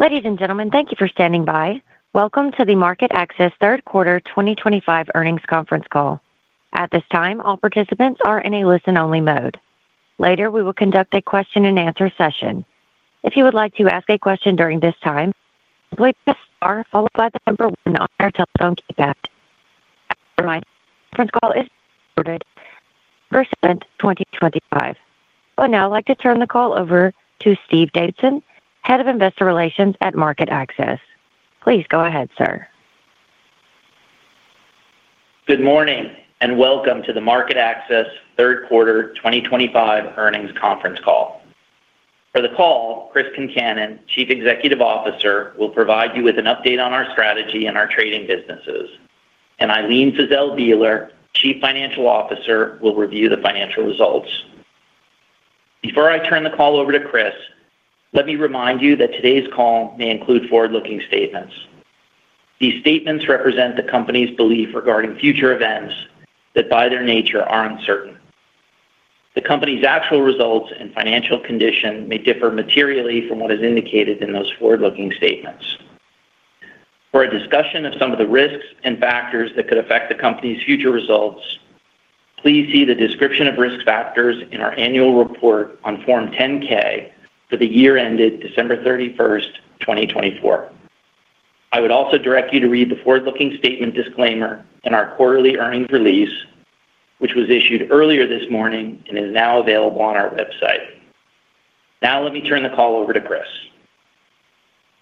Ladies and gentlemen, thank you for standing by. Welcome to the MarketAxess third quarter 2025 earnings conference call. At this time, all participants are in a listen-only mode. Later, we will conduct a question-and-answer session. If you would like to ask a question during this time, please press star followed by the number one on your telephone keypad. As a reminder, this conference call is recorded on November 7, 2025. I would now like to turn the call over to Steve Davidson, Head of Investor Relations at MarketAxess. Please go ahead, sir. Good morning and welcome to the MarketAxess third quarter 2025 earnings conference call. For the call, Chris Concannon, Chief Executive Officer, will provide you with an update on our strategy and our trading businesses, and Ilene Fiszel Bieler, Chief Financial Officer, will review the financial results. Before I turn the call over to Chris, let me remind you that today's call may include forward-looking statements. These statements represent the company's belief regarding future events that by their nature are uncertain. The company's actual results and financial condition may differ materially from what is indicated in those forward-looking statements. For a discussion of some of the risks and factors that could affect the company's future results, please see the description of risk factors in our annual report on Form 10-K for the year ended December 31st, 2024. I would also direct you to read the forward-looking statement disclaimer in our quarterly earnings release, which was issued earlier this morning and is now available on our website. Now, let me turn the call over to Chris.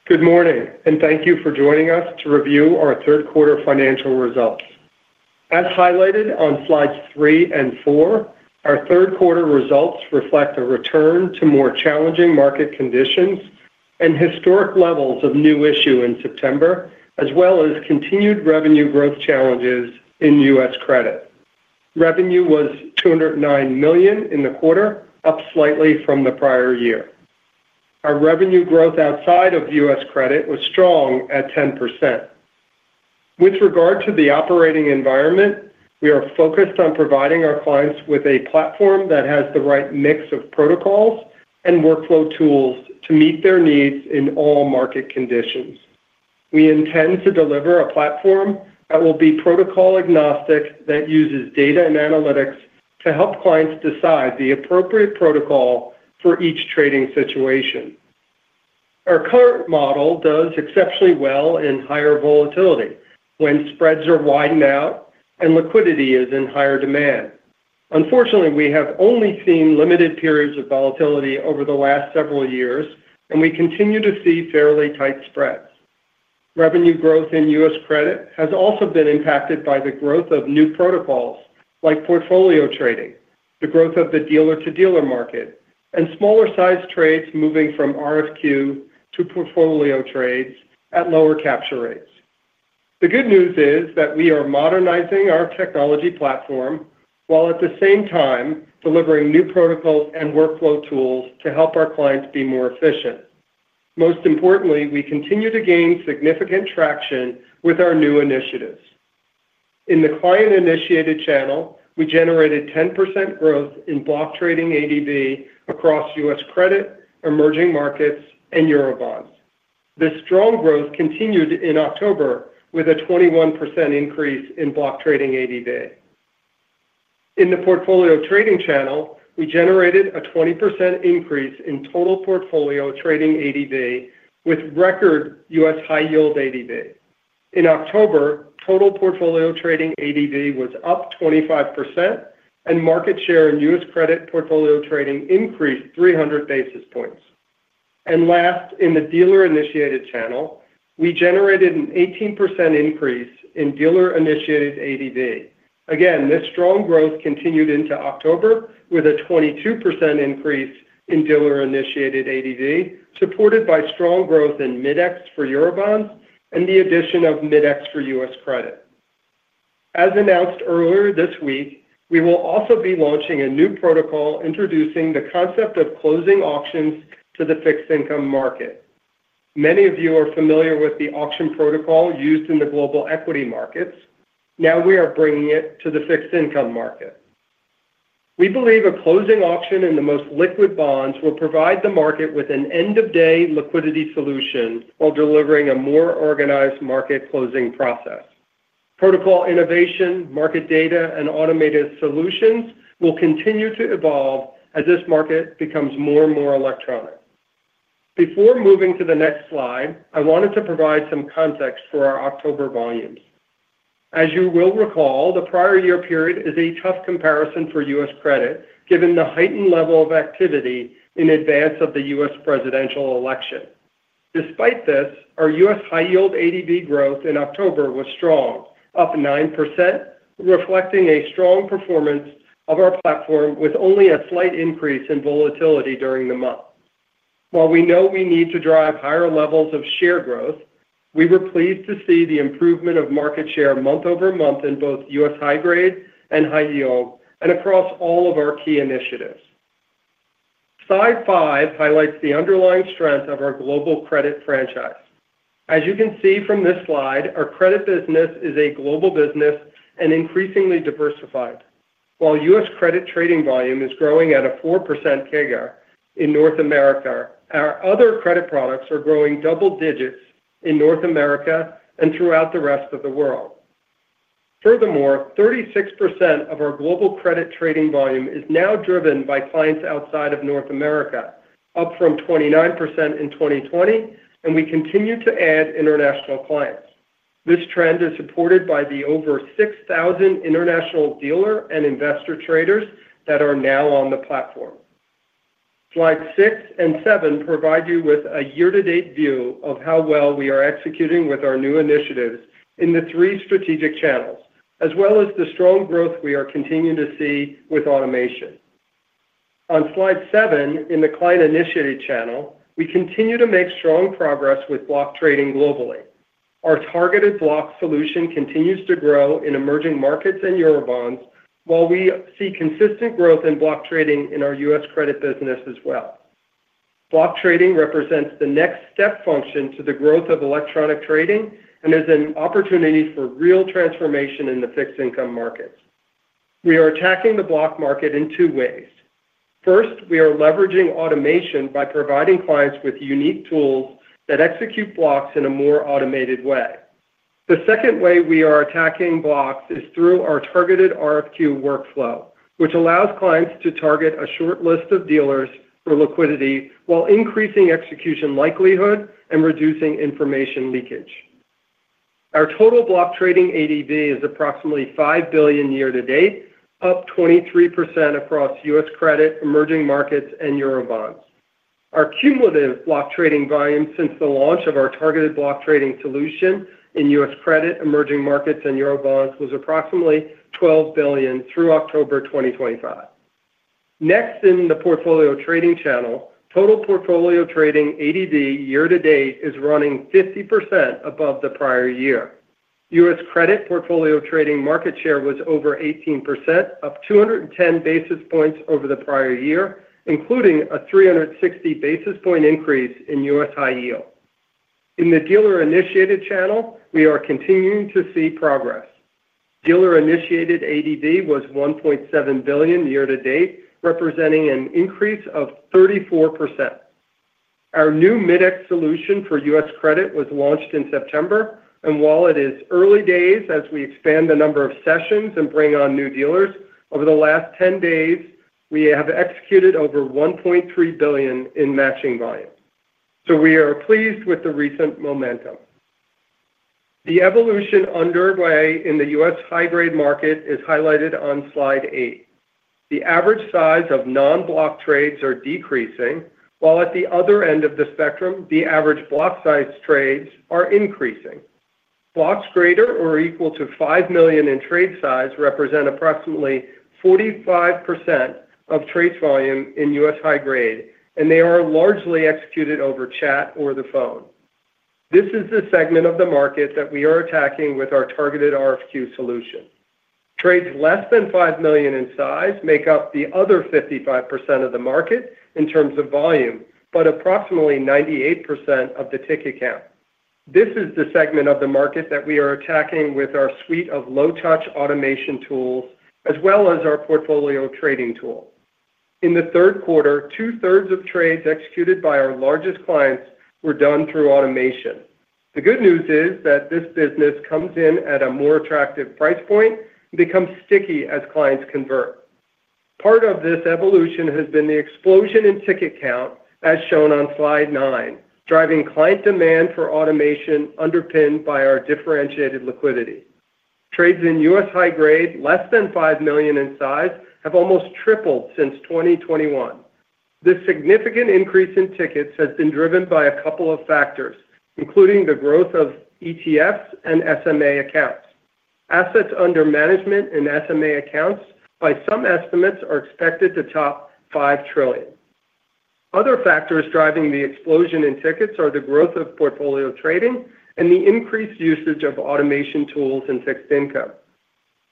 Good morning, and thank you for joining us to review our third quarter financial results. As highlighted on slides three and four, our third quarter results reflect a return to more challenging market conditions and historic levels of new issue in September, as well as continued revenue growth challenges in U.S. credit. Revenue was $209 million in the quarter, up slightly from the prior year. Our revenue growth outside of U.S. credit was strong at 10%. With regard to the operating environment, we are focused on providing our clients with a platform that has the right mix of protocols and workflow tools to meet their needs in all market conditions. We intend to deliver a platform that will be protocol agnostic, that uses data and analytics to help clients decide the appropriate protocol for each trading situation. Our current model does exceptionally well in higher volatility when spreads are widened out and liquidity is in higher demand. Unfortunately, we have only seen limited periods of volatility over the last several years, and we continue to see fairly tight spreads. Revenue growth in U.S. credit has also been impacted by the growth of new protocols like portfolio trading, the growth of the dealer-to-dealer market, and smaller-sized trades moving from RFQ to portfolio trades at lower capture rates. The good news is that we are modernizing our technology platform while at the same time delivering new protocols and workflow tools to help our clients be more efficient. Most importantly, we continue to gain significant traction with our new initiatives. In the client-initiated channel, we generated 10% growth in block trading ADV across U.S. credit, emerging markets, and Eurobonds. This strong growth continued in October with a 21% increase in block trading ADV. In the portfolio trading channel, we generated a 20% increase in total portfolio trading ADV with record U.S. high-yield ADV. In October, total portfolio trading ADV was up 25%, and market share in U.S. credit portfolio trading increased 300 basis points. Last, in the dealer-initiated channel, we generated an 18% increase in dealer-initiated ADV. This strong growth continued into October with a 22% increase in dealer-initiated ADV, supported by strong growth in Mid-X for Eurobonds and the addition of Mid-X for U.S. credit. As announced earlier this week, we will also be launching a new protocol introducing the concept of closing auctions to the fixed income market. Many of you are familiar with the auction protocol used in the global equity markets. Now we are bringing it to the fixed income market. We believe a closing auction in the most liquid bonds will provide the market with an end-of-day liquidity solution while delivering a more organized market closing process. Protocol innovation, market data, and automated solutions will continue to evolve as this market becomes more and more electronic. Before moving to the next slide, I wanted to provide some context for our October volumes. As you will recall, the prior year period is a tough comparison for U.S. credit given the heightened level of activity in advance of the U.S. presidential election. Despite this, our U.S. high-yield ADV growth in October was strong, up 9%, reflecting a strong performance of our platform with only a slight increase in volatility during the month. While we know we need to drive higher levels of share growth, we were pleased to see the improvement of market share month over month in both U.S. High-grade and high-yield and across all of our key initiatives. Slide five highlights the underlying strength of our global credit franchise. As you can see from this slide, our credit business is a global business and increasingly diversified. While U.S. credit trading volume is growing at a 4% CAGR in North America, our other credit products are growing double digits in North America and throughout the rest of the world. Furthermore, 36% of our global credit trading volume is now driven by clients outside of North America, up from 29% in 2020, and we continue to add international clients. This trend is supported by the over 6,000 international dealer and investor traders that are now on the platform. Slide six and seven provide you with a year-to-date view of how well we are executing with our new initiatives in the three strategic channels, as well as the strong growth we are continuing to see with automation. On slide seven in the client-initiated channel, we continue to make strong progress with block trading globally. Our targeted block solution continues to grow in emerging markets and Eurobonds, while we see consistent growth in block trading in our U.S. credit business as well. Block trading represents the next step function to the growth of electronic trading and is an opportunity for real transformation in the fixed income markets. We are attacking the block market in two ways. First, we are leveraging automation by providing clients with unique tools that execute blocks in a more automated way. The second way we are attacking blocks is through our targeted RFQ workflow, which allows clients to target a short list of dealers for liquidity while increasing execution likelihood and reducing information leakage. Our total block trading ADV is approximately $5 billion year-to-date, up 23% across U.S. credit, emerging markets, and Eurobonds. Our cumulative block trading volume since the launch of our targeted block trading solution in U.S. credit, emerging markets, and Eurobonds was approximately $12 billion through October 2025. Next, in the portfolio trading channel, total portfolio trading ADV year-to-date is running 50% above the prior year. U.S. credit portfolio trading market share was over 18%, up 210 basis points over the prior year, including a 360 basis point increase in U.S. high-yield. In the dealer-initiated channel, we are continuing to see progress. Dealer-initiated ADV was $1.7 billion year-to-date, representing an increase of 34%. Our new Mid-X solution for U.S. credit was launched in September, and while it is early days as we expand the number of sessions and bring on new dealers, over the last 10 days, we have executed over $1.3 billion in matching volume. We are pleased with the recent momentum. The evolution underway in the U.S. high-grade market is highlighted on slide eight. The average size of non-block trades is decreasing, while at the other end of the spectrum, the average block size trades are increasing. Blocks greater or equal to $5 million in trade size represent approximately 45% of trade volume in U.S. high-grade, and they are largely executed over chat or the phone. This is the segment of the market that we are attacking with our targeted RFQ solution. Trades less than $5 million in size make up the other 55% of the market in terms of volume, but approximately 98% of the ticket count. This is the segment of the market that we are attacking with our suite of low-touch automation tools, as well as our portfolio trading tool. In the third quarter, two-thirds of trades executed by our largest clients were done through automation. The good news is that this business comes in at a more attractive price point and becomes sticky as clients convert. Part of this evolution has been the explosion in ticket count, as shown on slide nine, driving client demand for automation underpinned by our differentiated liquidity. Trades in U.S. high-grade, less than $5 million in size, have almost tripled since 2021. This significant increase in tickets has been driven by a couple of factors, including the growth of ETFs and SMA accounts. Assets under management in SMA accounts, by some estimates, are expected to top $5 trillion. Other factors driving the explosion in tickets are the growth of portfolio trading and the increased usage of automation tools in fixed income.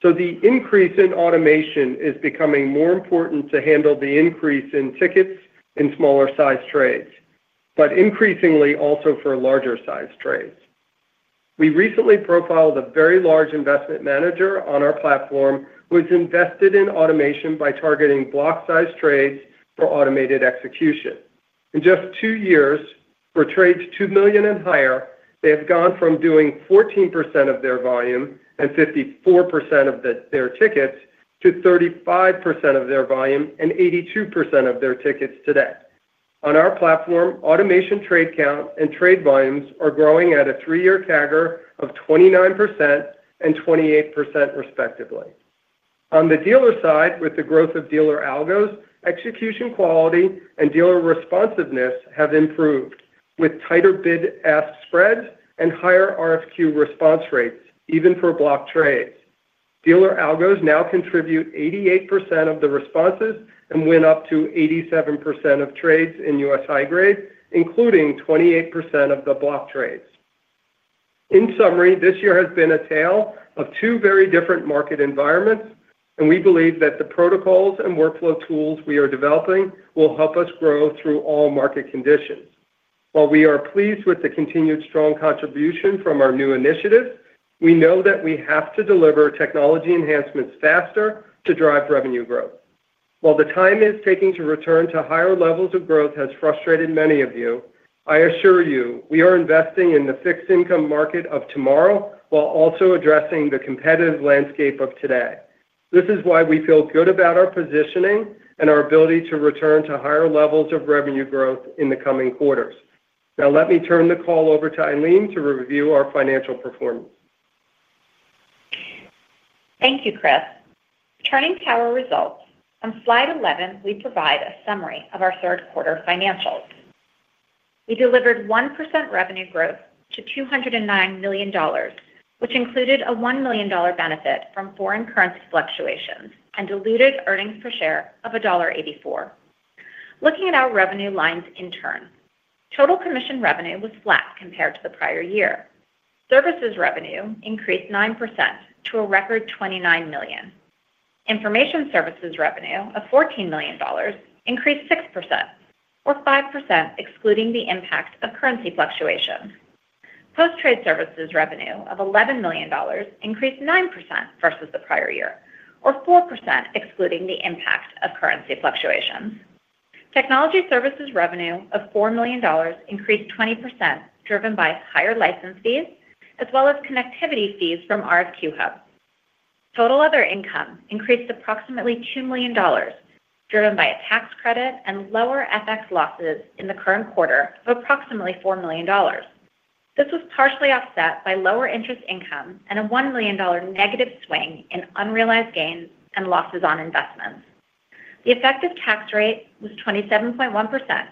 The increase in automation is becoming more important to handle the increase in tickets in smaller-sized trades, but increasingly also for larger-sized trades. We recently profiled a very large investment manager on our platform who has invested in automation by targeting block-sized trades for automated execution. In just two years, for trades $2 million and higher, they have gone from doing 14% of their volume and 54% of their tickets to 35% of their volume and 82% of their tickets today. On our platform, automation trade count and trade volumes are growing at a three-year CAGR of 29% and 28%, respectively. On the dealer side, with the growth of dealer algos, execution quality and dealer responsiveness have improved, with tighter bid-ask spreads and higher RFQ response rates, even for block trades. Dealer algos now contribute 88% of the responses and win up to 87% of trades in U.S. high-grade, including 28% of the block trades. In summary, this year has been a tale of two very different market environments, and we believe that the protocols and workflow tools we are developing will help us grow through all market conditions. While we are pleased with the continued strong contribution from our new initiatives, we know that we have to deliver technology enhancements faster to drive revenue growth. While the time it is taking to return to higher levels of growth has frustrated many of you, I assure you we are investing in the fixed income market of tomorrow while also addressing the competitive landscape of today. This is why we feel good about our positioning and our ability to return to higher levels of revenue growth in the coming quarters. Now let me turn the call over to Ilene to review our financial performance. Thank you, Chris. Turning to our results, on slide 11, we provide a summary of our third quarter financials. We delivered 1% revenue growth to $209 million, which included a $1 million benefit from foreign currency fluctuations and diluted earnings per share of $1.84. Looking at our revenue lines in turn, total commission revenue was flat compared to the prior year. Services revenue increased 9% to a record $29 million. Information services revenue of $14 million increased 6%, or 5% excluding the impact of currency fluctuations. Post-trade services revenue of $11 million increased 9% versus the prior year, or 4% excluding the impact of currency fluctuations. Technology services revenue of $4 million increased 20%, driven by higher license fees, as well as connectivity fees from RFQ hubs. Total other income increased approximately $2 million, driven by a tax credit and lower FX losses in the current quarter of approximately $4 million. This was partially offset by lower interest income and a $1 million negative swing in unrealized gains and losses on investments. The effective tax rate was 27.1%,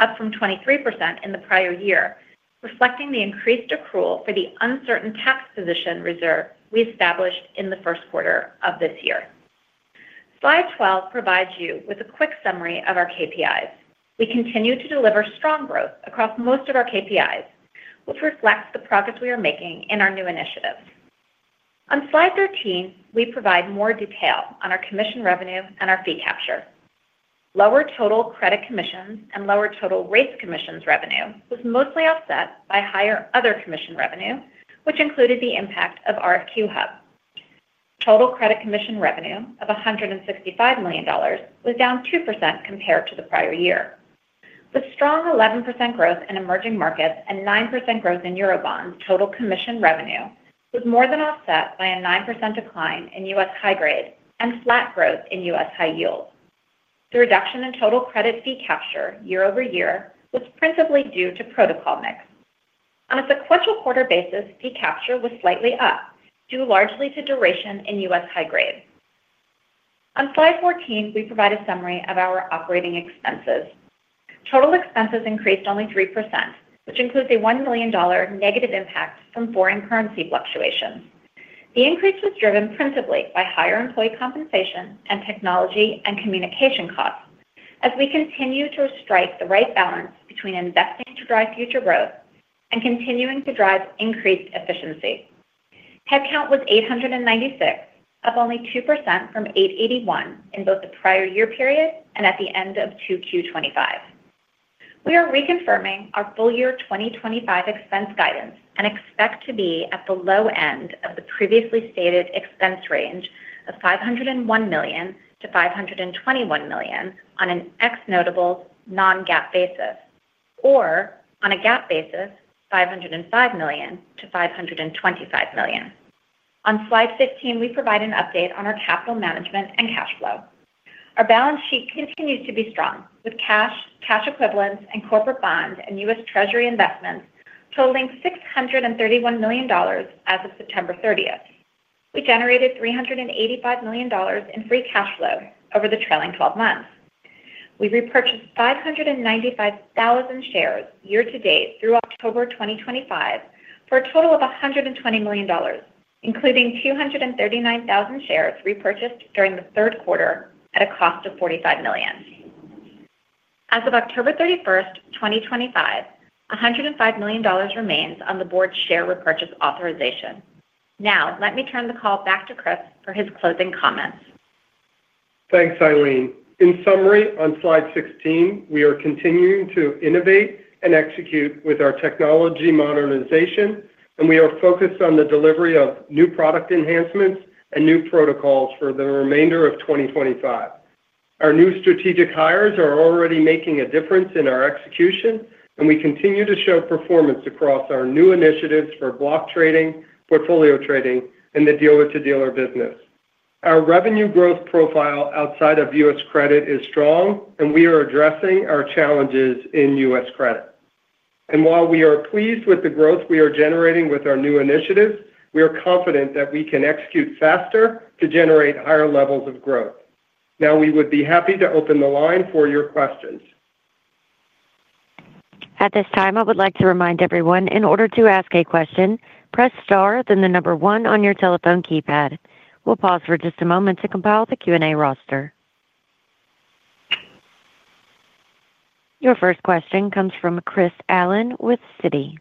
up from 23% in the prior year, reflecting the increased accrual for the uncertain tax position reserve we established in the first quarter of this year. Slide 12 provides you with a quick summary of our KPIs. We continue to deliver strong growth across most of our KPIs, which reflects the progress we are making in our new initiatives. On slide 13, we provide more detail on our commission revenue and our fee capture. Lower total credit commissions and lower total rates commissions revenue was mostly offset by higher other commission revenue, which included the impact of RFQ hubs. Total credit commission revenue of $165 million was down 2% compared to the prior year. The strong 11% growth in emerging markets and 9% growth in Eurobonds total commission revenue was more than offset by a 9% decline in U.S. high-grade and flat growth in U.S. high-yield. The reduction in total credit fee capture year-over-year was principally due to protocol mix. On a sequential quarter basis, fee capture was slightly up, due largely to duration in U.S. high-grade. On slide 14, we provide a summary of our operating expenses. Total expenses increased only 3%, which includes a $1 million negative impact from foreign currency fluctuations. The increase was driven principally by higher employee compensation and technology and communication costs, as we continue to strike the right balance between investing to drive future growth and continuing to drive increased efficiency. Headcount was 896, up only 2% from 881 in both the prior year period and at the end of 2025. We are reconfirming our full year 2025 expense guidance and expect to be at the low end of the previously stated expense range of $501 million-$521 million on an ex-notable non-GAAP basis, or on a GAAP basis, $505 million-$525 million. On slide 15, we provide an update on our capital management and cash flow. Our balance sheet continues to be strong, with cash, cash equivalents, and corporate bonds and U.S. Treasury investments totaling $631 million as of September 30th. We generated $385 million in free cash flow over the trailing 12 months. We repurchased 595,000 shares year-to-date through October 2025 for a total of $120 million, including 239,000 shares repurchased during the third quarter at a cost of $45 million. As of October 31st, 2025, $105 million remains on the board's share repurchase authorization. Now, let me turn the call back to Chris for his closing comments. Thanks, Ilene. In summary, on slide 16, we are continuing to innovate and execute with our technology modernization, and we are focused on the delivery of new product enhancements and new protocols for the remainder of 2025. Our new strategic hires are already making a difference in our execution, and we continue to show performance across our new initiatives for block trading, portfolio trading, and the dealer-to-dealer business. Our revenue growth profile outside of U.S. credit is strong, and we are addressing our challenges in U.S. credit. While we are pleased with the growth we are generating with our new initiatives, we are confident that we can execute faster to generate higher levels of growth. Now, we would be happy to open the line for your questions. At this time, I would like to remind everyone, in order to ask a question, press star, then the number one on your telephone keypad. We'll pause for just a moment to compile the Q&A roster. Your first question comes from Chris Allen with Citi.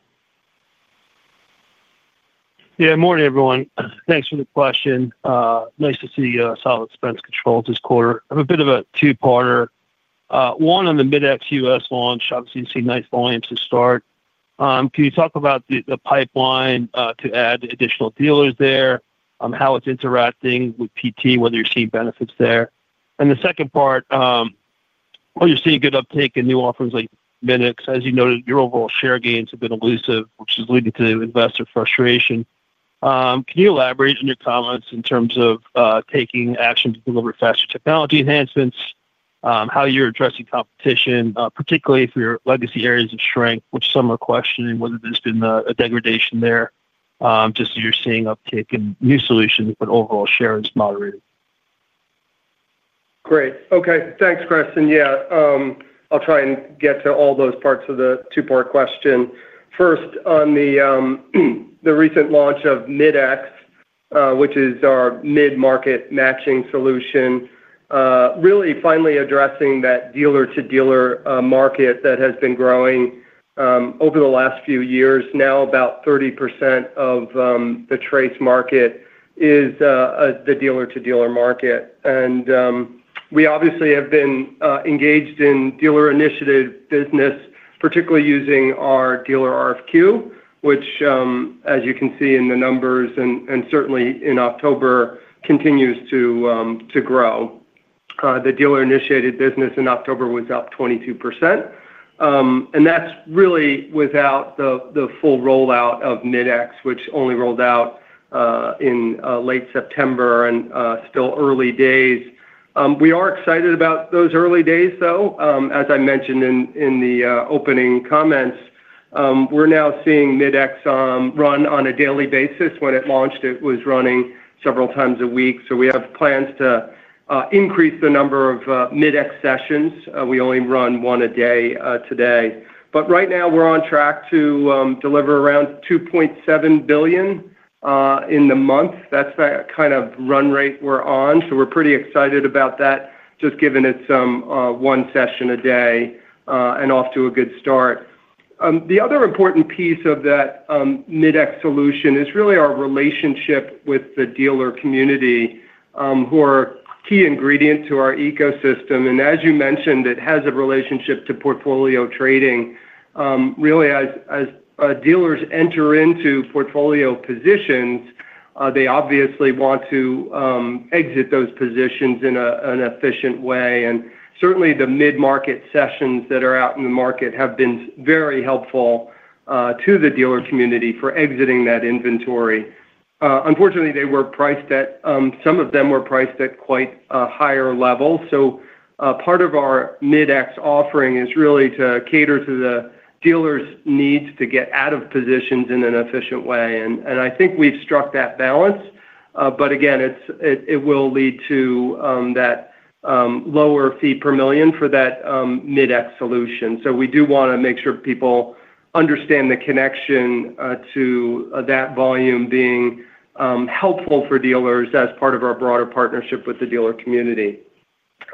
Yeah, good morning, everyone. Thanks for the question. Nice to see you. Solid Spence Controls this quarter. I have a bit of a two-parter. One, on the Mid-X U.S. launch, obviously, you see nice volumes to start. Can you talk about the pipeline to add additional dealers there, how it's interacting with PT, whether you're seeing benefits there? The second part, you're seeing good uptake in new offerings like Mid-X. As you noted, your overall share gains have been elusive, which is leading to investor frustration. Can you elaborate on your comments in terms of taking action to deliver faster technology enhancements, how you're addressing competition, particularly for your legacy areas of strength, which some are questioning, whether there's been a degradation there, just as you're seeing uptake in new solutions, but overall share is moderated? Great. Okay. Thanks, Chris. Yeah, I'll try and get to all those parts of the two-part question. First, on the recent launch of Mid-X, which is our mid-market matching solution, really finally addressing that dealer-to-dealer market that has been growing over the last few years, now about 30% of the TRACE market is the dealer-to-dealer market. We obviously have been engaged in dealer-initiated business, particularly using our dealer RFQ, which, as you can see in the numbers and certainly in October, continues to grow. The dealer-initiated business in October was up 22%. That is really without the full rollout of Mid-X, which only rolled out in late September and still early days. We are excited about those early days, though. As I mentioned in the opening comments, we are now seeing Mid-X run on a daily basis. When it launched, it was running several times a week. We have plans to increase the number of Mid-X sessions. We only run one a day today. Right now, we're on track to deliver around $2.7 billion in the month. That's the kind of run rate we're on. We're pretty excited about that, just given it's one session a day and off to a good start. The other important piece of that Mid-X solution is really our relationship with the dealer community, who are a key ingredient to our ecosystem. As you mentioned, it has a relationship to portfolio trading. Really, as dealers enter into portfolio positions, they obviously want to exit those positions in an efficient way. Certainly, the mid-market sessions that are out in the market have been very helpful to the dealer community for exiting that inventory. Unfortunately, some of them were priced at quite a higher level. Part of our Mid-X offering is really to cater to the dealer's needs to get out of positions in an efficient way. I think we've struck that balance. It will lead to that lower fee per million for that Mid-X solution. We do want to make sure people understand the connection to that volume being helpful for dealers as part of our broader partnership with the dealer community.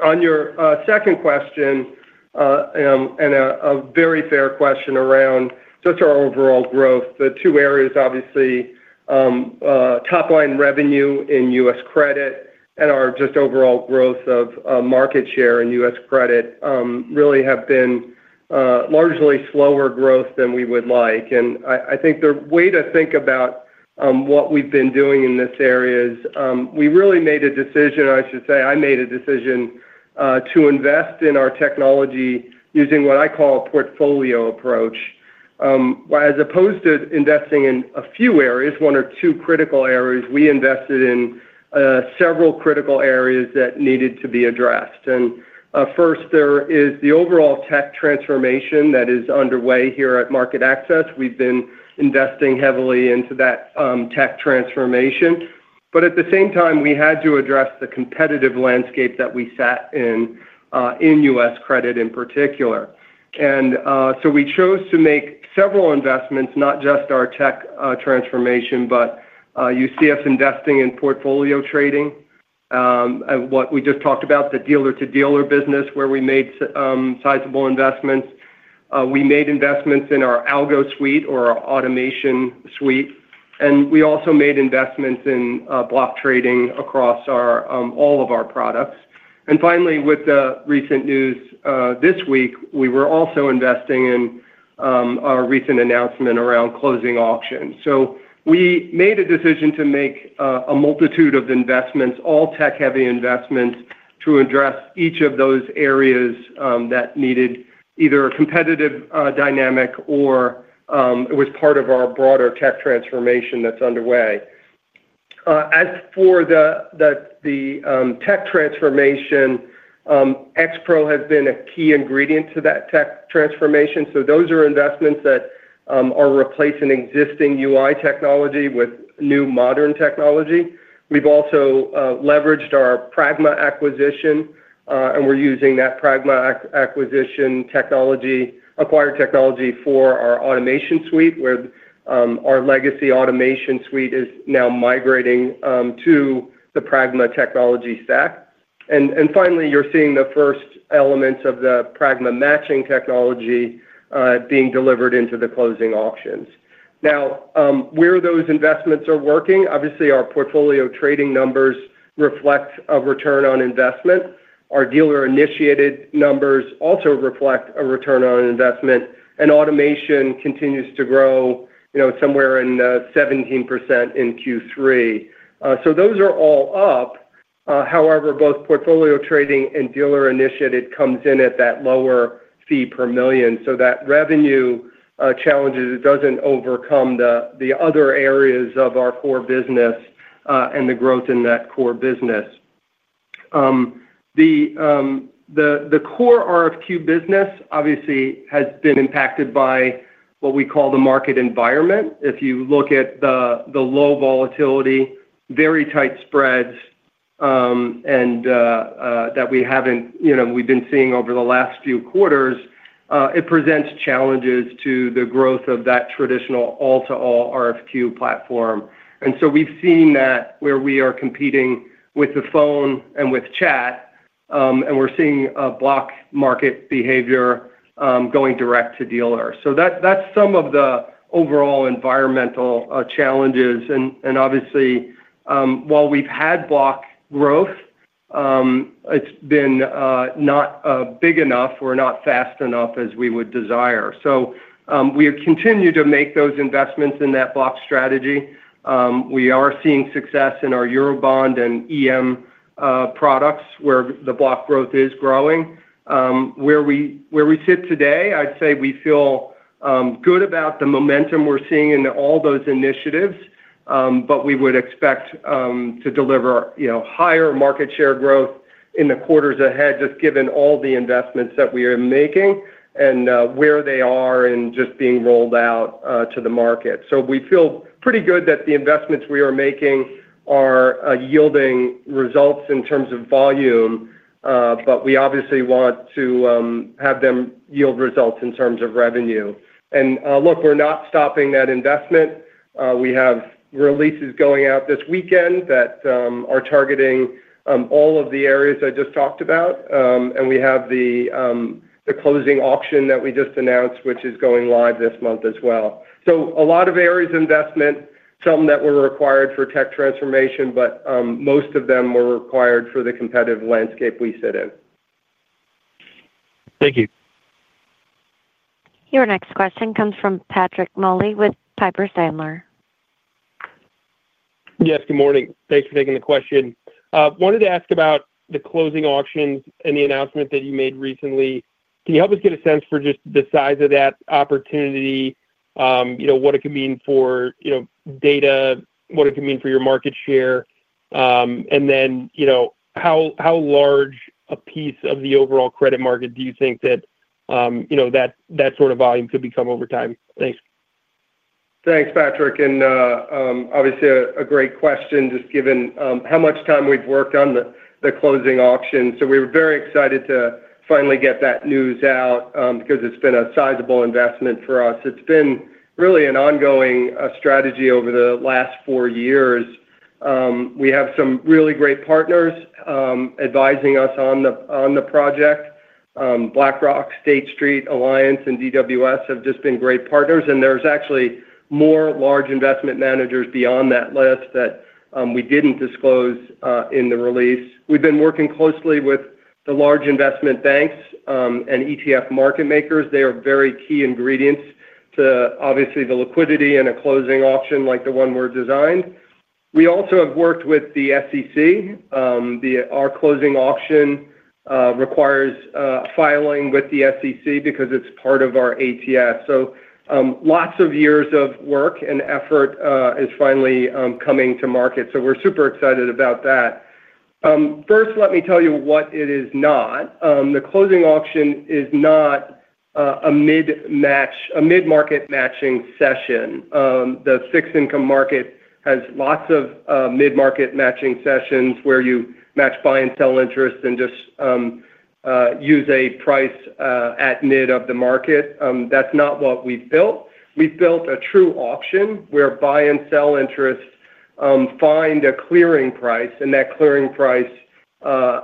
On your second question, and a very fair question around just our overall growth, the two areas, obviously, top-line revenue in U.S. credit and our just overall growth of market share in U.S. credit really have been largely slower growth than we would like. I think the way to think about what we've been doing in this area is we really made a decision, I should say, I made a decision to invest in our technology using what I call a portfolio approach. As opposed to investing in a few areas, one or two critical areas, we invested in several critical areas that needed to be addressed. First, there is the overall tech transformation that is underway here at MarketAxess. We've been investing heavily into that tech transformation. At the same time, we had to address the competitive landscape that we sat in in U.S. credit in particular. We chose to make several investments, not just our tech transformation, but you see us investing in portfolio trading, what we just talked about, the dealer-to-dealer business, where we made sizable investments. We made investments in our algo suite or our automation suite. We also made investments in block trading across all of our products. Finally, with the recent news this week, we were also investing in our recent announcement around closing auctions. We made a decision to make a multitude of investments, all tech-heavy investments, to address each of those areas that needed either a competitive dynamic or it was part of our broader tech transformation that's underway. As for the tech transformation, X-Pro has been a key ingredient to that tech transformation. Those are investments that are replacing existing UI technology with new modern technology. We've also leveraged our Pragma acquisition, and we're using that Pragma acquisition technology, acquired technology for our automation suite, where our legacy automation suite is now migrating to the Pragma technology stack. You are seeing the first elements of the Pragma matching technology being delivered into the closing auctions. Where those investments are working, obviously, our portfolio trading numbers reflect a return on investment. Our dealer-initiated numbers also reflect a return on investment. Automation continues to grow somewhere in 17% in Q3. Those are all up. However, both portfolio trading and dealer-initiated comes in at that lower fee per million. That revenue challenge does not overcome the other areas of our core business and the growth in that core business. The core RFQ business, obviously, has been impacted by what we call the market environment. If you look at the low volatility, very tight spreads, and that we have been seeing over the last few quarters, it presents challenges to the growth of that traditional all-to-all RFQ platform. We have seen that where we are competing with the phone and with chat, and we are seeing block market behavior going direct to dealers. That is some of the overall environmental challenges. Obviously, while we have had block growth, it has not been big enough or fast enough as we would desire. We continue to make those investments in that block strategy. We are seeing success in our Eurobond and EM products where the block growth is growing. Where we sit today, I would say we feel good about the momentum we are seeing in all those initiatives, but we would expect to deliver higher market share growth in the quarters ahead, just given all the investments that we are making and where they are and just being rolled out to the market. We feel pretty good that the investments we are making are yielding results in terms of volume, but we obviously want to have them yield results in terms of revenue. Look, we're not stopping that investment. We have releases going out this weekend that are targeting all of the areas I just talked about. We have the closing auction that we just announced, which is going live this month as well. A lot of areas investment, some that were required for tech transformation, but most of them were required for the competitive landscape we sit in. Thank you. Your next question comes from Patrick Moley with Piper Sandler. Yes, good morning. Thanks for taking the question. Wanted to ask about the closing auctions and the announcement that you made recently. Can you help us get a sense for just the size of that opportunity, what it could mean for data, what it could mean for your market share, and then how large a piece of the overall credit market do you think that that sort of volume could become over time? Thanks. Thanks, Patrick. Obviously, a great question, just given how much time we've worked on the closing auction. We were very excited to finally get that news out because it's been a sizable investment for us. It's been really an ongoing strategy over the last four years. We have some really great partners advising us on the project. BlackRock, State Street, Alliance, and DWS have just been great partners. There's actually more large investment managers beyond that list that we didn't disclose in the release. We've been working closely with the large investment banks and ETF market makers. They are very key ingredients to, obviously, the liquidity in a closing auction like the one we're designing. We also have worked with the SEC. Our closing auction requires filing with the SEC because it's part of our ATS. Lots of years of work and effort is finally coming to market. We're super excited about that. First, let me tell you what it is not. The closing auction is not a mid-market matching session. The fixed income market has lots of mid-market matching sessions where you match buy and sell interests and just use a price at mid of the market. That's not what we've built. We've built a true auction where buy and sell interests find a clearing price, and that clearing price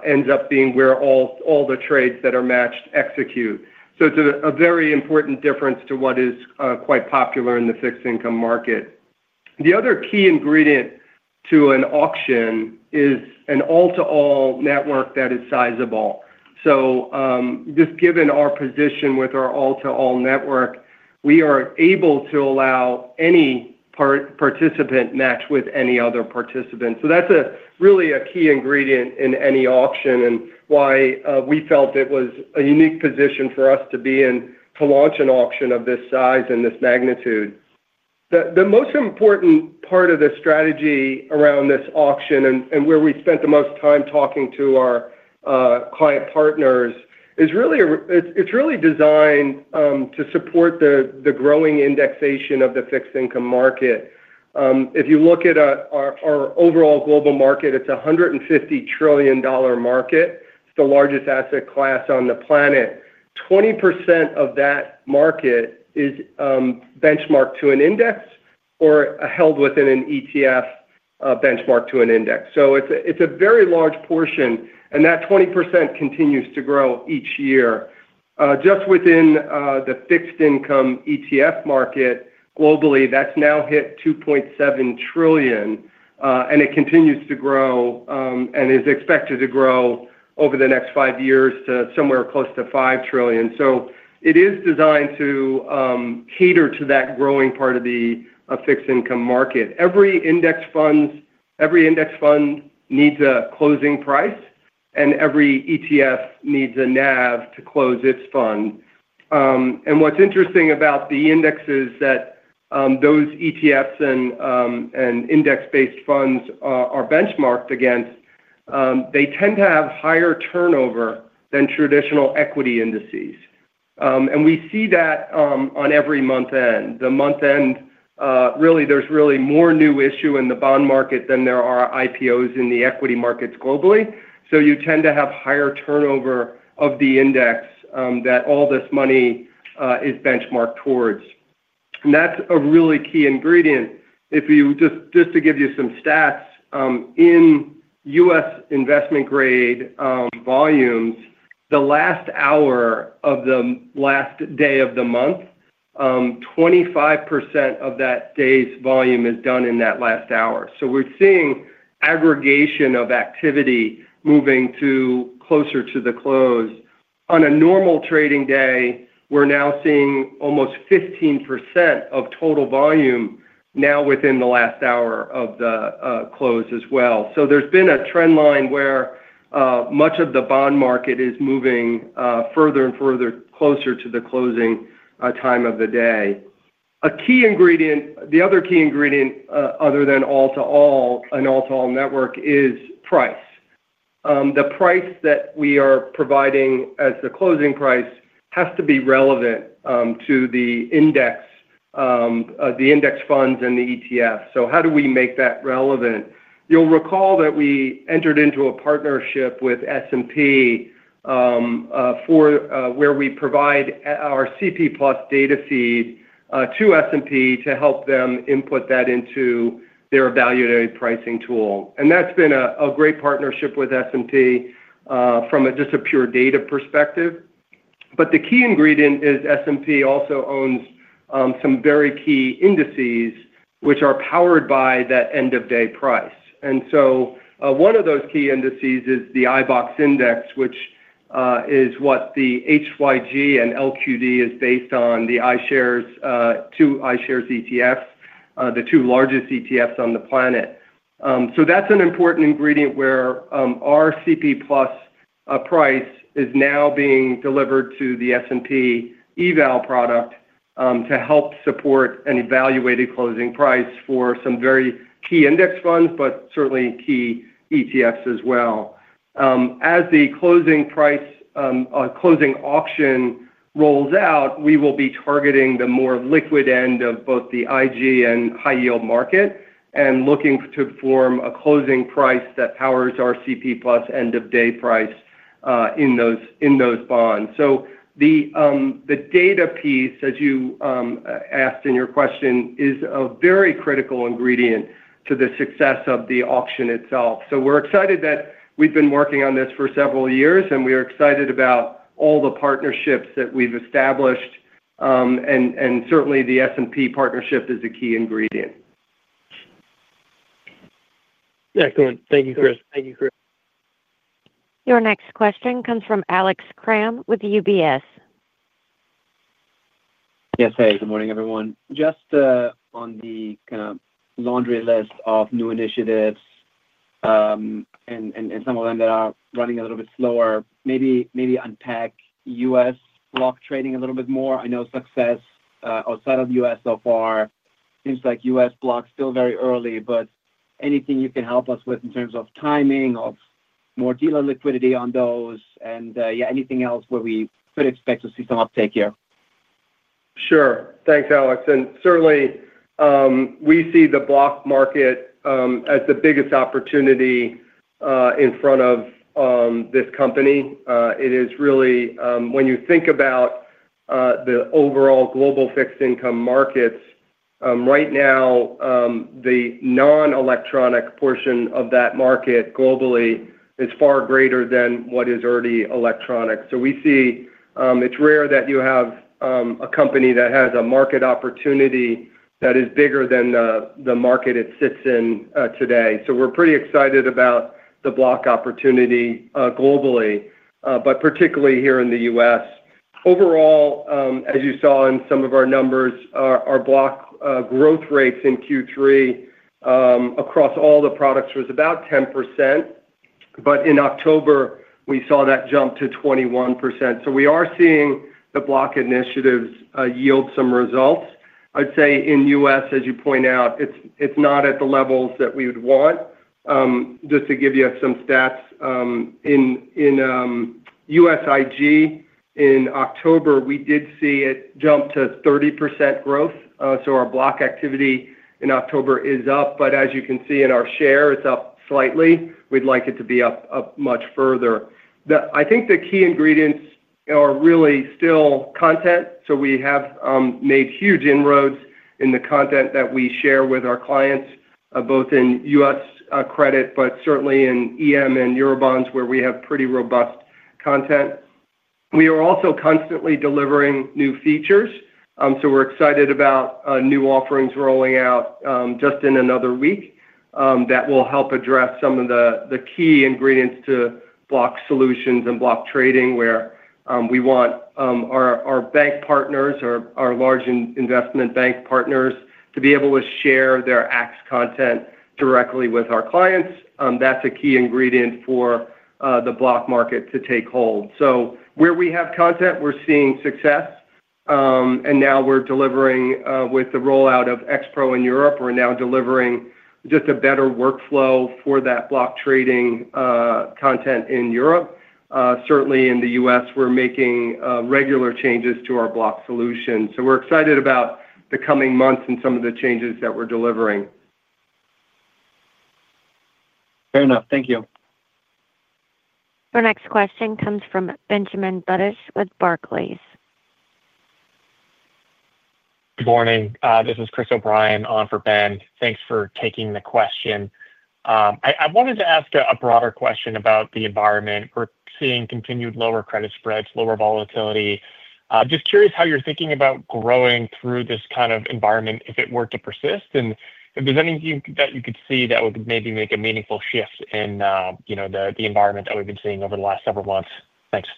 ends up being where all the trades that are matched execute. It's a very important difference to what is quite popular in the fixed income market. The other key ingredient to an auction is an all-to-all network that is sizable. Just given our position with our all-to-all network, we are able to allow any participant match with any other participant. That's really a key ingredient in any auction and why we felt it was a unique position for us to be in to launch an auction of this size and this magnitude. The most important part of the strategy around this auction and where we spent the most time talking to our client partners is really it's really designed to support the growing indexation of the fixed income market. If you look at our overall global market, it's a $150 trillion market. It's the largest asset class on the planet. 20% of that market is benchmarked to an index or held within an ETF benchmarked to an index. It is a very large portion, and that 20% continues to grow each year. Just within the fixed income ETF market globally, that is now hit $2.7 trillion, and it continues to grow and is expected to grow over the next five years to somewhere close to $5 trillion. It is designed to cater to that growing part of the fixed income market. Every index fund needs a closing price, and every ETF needs a NAV to close its fund. What is interesting about the indexes that those ETFs and index-based funds are benchmarked against, they tend to have higher turnover than traditional equity indices. We see that on every month-end. The month-end, really, there's really more new issue in the bond market than there are IPOs in the equity markets globally. You tend to have higher turnover of the index that all this money is benchmarked towards. That's a really key ingredient. Just to give you some stats, in U.S. investment-grade volumes, the last hour of the last day of the month, 25% of that day's volume is done in that last hour. We're seeing aggregation of activity moving closer to the close. On a normal trading day, we're now seeing almost 15% of total volume now within the last hour of the close as well. There's been a trend line where much of the bond market is moving further and further closer to the closing time of the day. The other key ingredient, other than all-to-all and all-to-all network, is price. The price that we are providing as the closing price has to be relevant to the index funds and the ETF. How do we make that relevant? You'll recall that we entered into a partnership with S&P where we provide our CP+ data feed to S&P to help them input that into their value-added pricing tool. That has been a great partnership with S&P from just a pure data perspective. The key ingredient is S&P also owns some very key indices which are powered by that end-of-day price. One of those key indices is the iBoxx indices, which is what the HYG and LQD is based on, the two iShares ETFs, the two largest ETFs on the planet. That's an important ingredient where our CP+ price is now being delivered to the S&P eval product to help support an evaluated closing price for some very key index funds, but certainly key ETFs as well. As the closing auction rolls out, we will be targeting the more liquid end of both the IG and high-yield market and looking to form a closing price that powers our CP+ end-of-day price in those bonds. The data piece, as you asked in your question, is a very critical ingredient to the success of the auction itself. We're excited that we've been working on this for several years, and we are excited about all the partnerships that we've established. Certainly, the S&P partnership is a key ingredient. Excellent. Thank you, Chris. Thank you, Chris. Your next question comes from Alex Kramm with UBS. Yes, hey. Good morning, everyone. Just on the kind of laundry list of new initiatives and some of them that are running a little bit slower, maybe unpack U.S. block trading a little bit more. I know success outside of the U.S. so far, things like U.S. block, still very early, but anything you can help us with in terms of timing of more dealer liquidity on those and, yeah, anything else where we could expect to see some uptake here. Sure. Thanks, Alex. Certainly, we see the block market as the biggest opportunity in front of this company. It is really, when you think about the overall global fixed income markets, right now, the non-electronic portion of that market globally is far greater than what is already electronic. We see it's rare that you have a company that has a market opportunity that is bigger than the market it sits in today. We're pretty excited about the block opportunity globally, but particularly here in the U.S. Overall, as you saw in some of our numbers, our block growth rates in Q3 across all the products was about 10%. In October, we saw that jump to 21%. We are seeing the block initiatives yield some results. I'd say in the U.S., as you point out, it's not at the levels that we would want. Just to give you some stats, in U.S. IG, in October, we did see it jump to 30% growth. Our block activity in October is up. As you can see in our share, it's up slightly. We'd like it to be up much further. I think the key ingredients are really still content. We have made huge inroads in the content that we share with our clients, both in U.S. credit, but certainly in EM and Eurobonds, where we have pretty robust content. We are also constantly delivering new features. We are excited about new offerings rolling out just in another week that will help address some of the key ingredients to block solutions and block trading, where we want our bank partners, our large investment bank partners, to be able to share their Axe content directly with our clients. That is a key ingredient for the block market to take hold. Where we have content, we are seeing success. We are delivering with the rollout of X-Pro in Europe. We are now delivering just a better workflow for that block trading content in Europe. Certainly, in the U.S., we're making regular changes to our block solution. So we're excited about the coming months and some of the changes that we're delivering. Fair enough. Thank you. \Your next question comes from Benjamin Butters with Barclays. Good morning. This is Chris O'Brien on for Ben. Thanks for taking the question. I wanted to ask a broader question about the environment. We're seeing continued lower credit spreads, lower volatility. Just curious how you're thinking about growing through this kind of environment if it were to persist and if there's anything that you could see that would maybe make a meaningful shift in the environment that we've been seeing over the last several months. Thanks.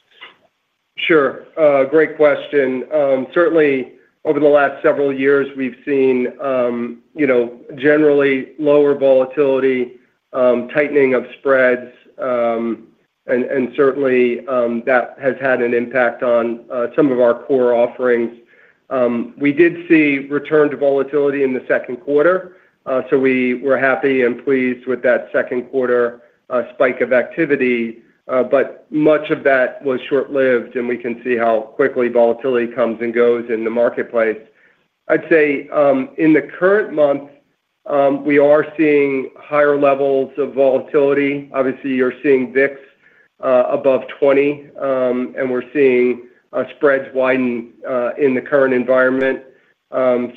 Sure. Great question. Certainly, over the last several years, we've seen generally lower volatility, tightening of spreads, and certainly, that has had an impact on some of our core offerings. We did see return to volatility in the second quarter. So we were happy and pleased with that second quarter spike of activity. But much of that was short-lived, and we can see how quickly volatility comes and goes in the marketplace. I'd say in the current month, we are seeing higher levels of volatility. Obviously, you're seeing VIX above 20, and we're seeing spreads widen in the current environment.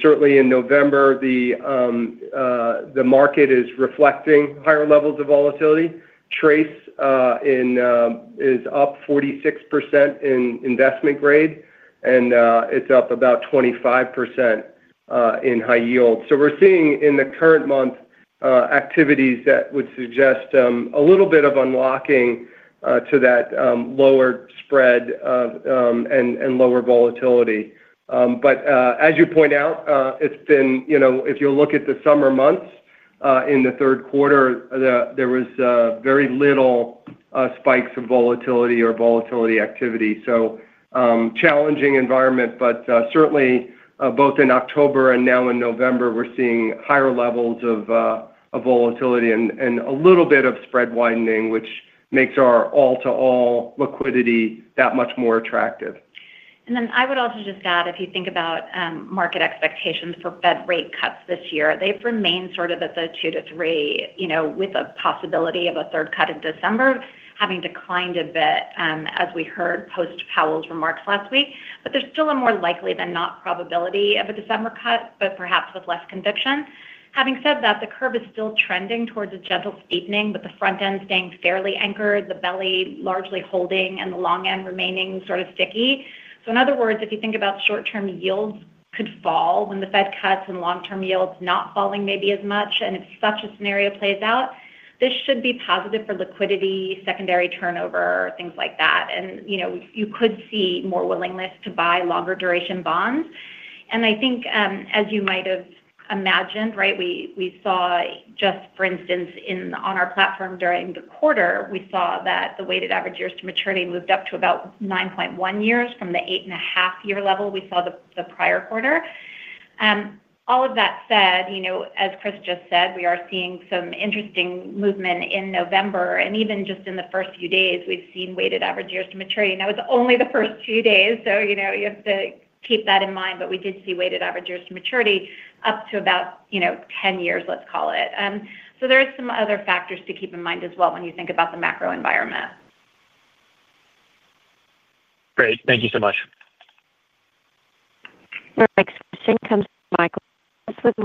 Certainly, in November, the market is reflecting higher levels of volatility. TRACE is up 46% in investment grade, and it's up about 25% in high yield. So we're seeing in the current month activities that would suggest a little bit of unlocking to that lower spread and lower volatility. But as you point out, it's been if you look at the summer months in the third quarter, there was very little spikes of volatility or volatility activity. Challenging environment, but certainly, both in October and now in November, we're seeing higher levels of volatility and a little bit of spread widening, which makes our all-to-all liquidity that much more attractive. I would also just add, if you think about market expectations for Fed rate cuts this year, they've remained sort of at the two to three with a possibility of a third cut in December, having declined a bit as we heard post-Powell's remarks last week. There's still a more likely than not probability of a December cut, but perhaps with less conviction. Having said that, the curve is still trending towards a gentle steepening, with the front end staying fairly anchored, the belly largely holding, and the long end remaining sort of sticky. In other words, if you think about short-term yields could fall when the Fed cuts and long-term yields not falling maybe as much, if such a scenario plays out, this should be positive for liquidity, secondary turnover, things like that. You could see more willingness to buy longer duration bonds. I think, as you might have imagined, right, we saw just, for instance, on our platform during the quarter, we saw that the weighted average years to maturity moved up to about 9.1 years from the 8.5 year level we saw the prior quarter. All of that said, as Chris just said, we are seeing some interesting movement in November. Even just in the first few days, we've seen weighted average years to maturity. Now, it's only the first few days, so you have to keep that in mind. We did see weighted average years to maturity up to about 10 years, let's call it. There are some other factors to keep in mind as well when you think about the macro environment. Great. Thank you so much. Your next question comes from Michael with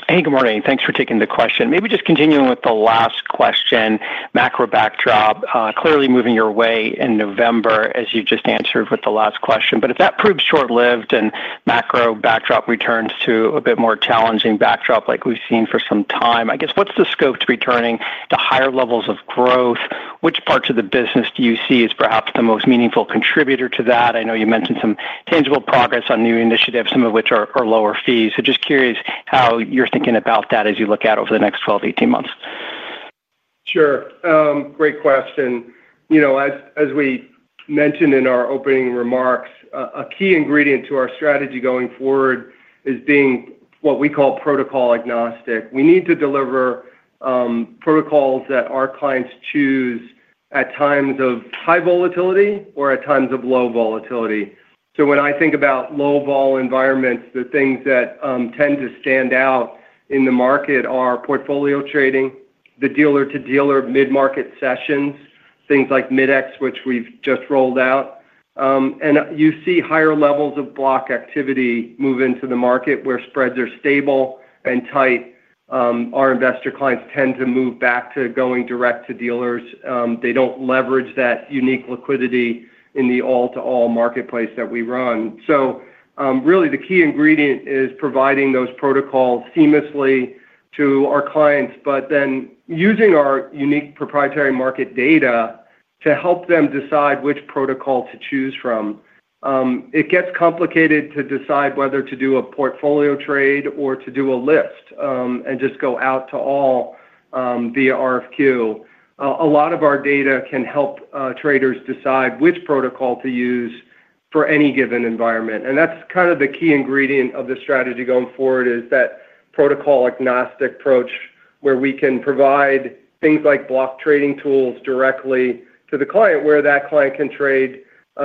Morgan. Hey, good morning. Thanks for taking the question. Maybe just continuing with the last question, macro backdrop, clearly moving your way in November, as you just answered with the last question. If that proves short-lived and macro backdrop returns to a bit more challenging backdrop like we've seen for some time, I guess, what's the scope to be turning to higher levels of growth? Which parts of the business do you see as perhaps the most meaningful contributor to that? I know you mentioned some tangible progress on new initiatives, some of which are lower fees. Just curious how you're thinking about that as you look out over the next 12 months-18 months. Sure. Great question. As we mentioned in our opening remarks, a key ingredient to our strategy going forward is being what we call protocol agnostic. We need to deliver protocols that our clients choose at times of high volatility or at times of low volatility. When I think about low-vol environments, the things that tend to stand out in the market are portfolio trading, the dealer-to-dealer mid-market sessions, things like Mid-X, which we've just rolled out. You see higher levels of block activity move into the market where spreads are stable and tight. Our investor clients tend to move back to going direct to dealers. They do not leverage that unique liquidity in the all-to-all marketplace that we run. Really, the key ingredient is providing those protocols seamlessly to our clients, but then using our unique proprietary market data to help them decide which protocol to choose from. It gets complicated to decide whether to do a portfolio trade or to do a list and just go out to all via RFQ. A lot of our data can help traders decide which protocol to use for any given environment. That is kind of the key ingredient of the strategy going forward, that protocol agnostic approach where we can provide things like block trading tools directly to the client where that client can trade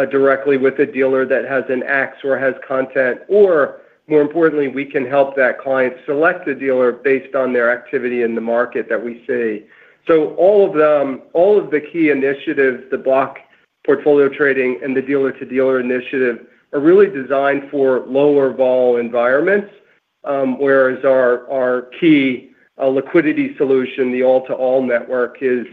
directly with a dealer that has an Axe or has content. More importantly, we can help that client select a dealer based on their activity in the market that we see. All of the key initiatives, the block portfolio trading and the dealer-to-dealer initiative, are really designed for lower-vol environments, whereas our key liquidity solution, the all-to-all network, is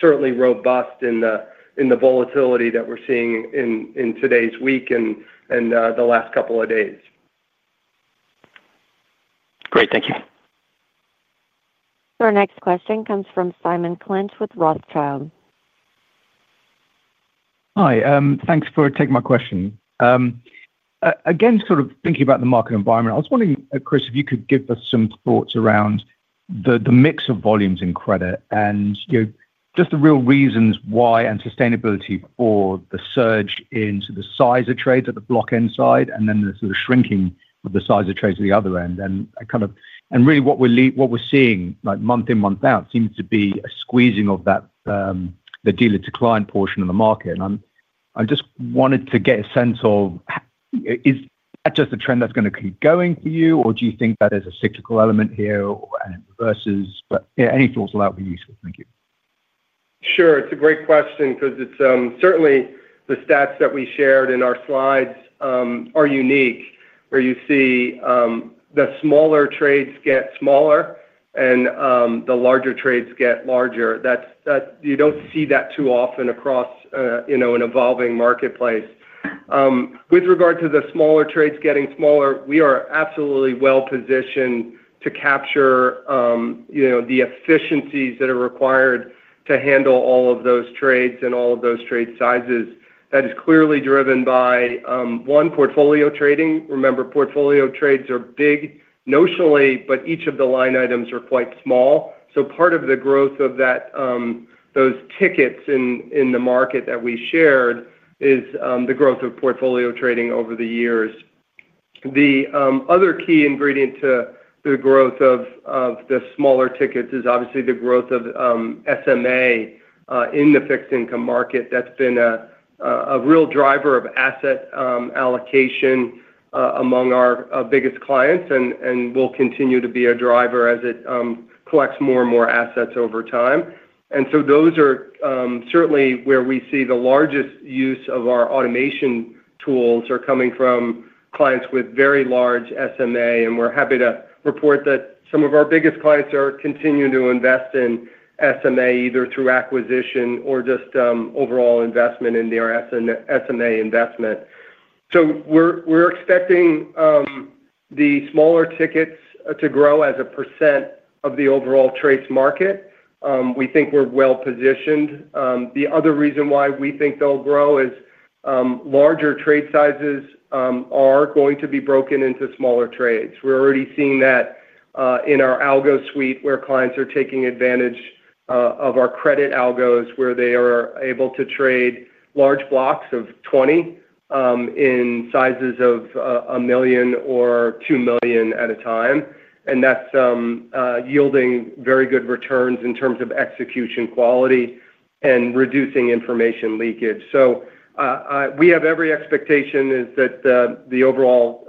certainly robust in the volatility that we are seeing in today's week and the last couple of days. Great. Thank you. Your next question comes from Simon Clinch with Rothschild. Hi. Thanks for taking my question. Again, sort of thinking about the market environment, I was wondering, Chris, if you could give us some thoughts around the mix of volumes in credit and just the real reasons why and sustainability for the surge in the size of trades at the block end side and then the sort of shrinking of the size of trades at the other end. And really what we are seeing month in, month out seems to be a squeezing of the dealer-to-client portion of the market. I just wanted to get a sense of, is that just a trend that's going to keep going for you, or do you think that there's a cyclical element here versus any thoughts on that would be useful? Thank you. Sure. It's a great question because certainly the stats that we shared in our slides are unique where you see the smaller trades get smaller and the larger trades get larger. You don't see that too often across an evolving marketplace. With regard to the smaller trades getting smaller, we are absolutely well positioned to capture the efficiencies that are required to handle all of those trades and all of those trade sizes. That is clearly driven by, one, portfolio trading. Remember, portfolio trades are big notionally, but each of the line items are quite small. Part of the growth of those tickets in the market that we shared is the growth of portfolio trading over the years. The other key ingredient to the growth of the smaller tickets is obviously the growth of SMA in the fixed income market. That's been a real driver of asset allocation among our biggest clients and will continue to be a driver as it collects more and more assets over time. Those are certainly where we see the largest use of our automation tools are coming from clients with very large SMA. We're happy to report that some of our biggest clients are continuing to invest in SMA either through acquisition or just overall investment in their SMA investment. We're expecting the smaller tickets to grow as a percent of the overall trades market. We think we're well positioned. The other reason why we think they'll grow is larger trade sizes are going to be broken into smaller trades. We're already seeing that in our algo suite where clients are taking advantage of our credit algos where they are able to trade large blocks of 20 in sizes of $1 million or $2 million at a time. That is yielding very good returns in terms of execution quality and reducing information leakage. We have every expectation that the overall